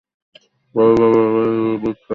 তবে সে যা ভাবে তা বুঝতে পারি।